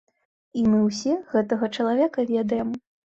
І мы ўсе гэтага чалавека ведаем.